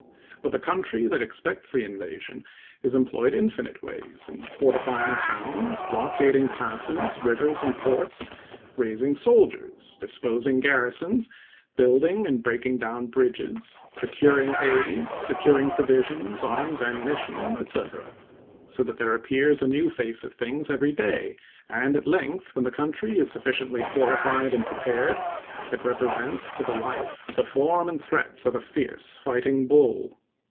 But the country that expects the invasion is employed infinite ways, in fortifying towns, blockading passes, rivers, and ports, raising soldiers, disposing garrisons, building and breaking down bridges, procuring aids, securing provisions, arms, ammunition, &c. So that there appears a new face of things every day; and at length, when the country is sufficiently fortified and prepared, it represents to the life the form and threats of a fierce fighting bull.